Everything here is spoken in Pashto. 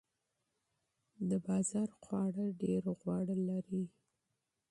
د بازار خواړه ډیر غوړ لري.